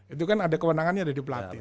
itu kan ada kewenangannya ada di pelatih